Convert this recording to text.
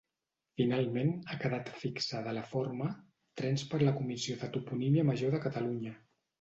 Finalment, ha quedat fixada la forma Trens per la Comissió de toponímia major de Catalunya.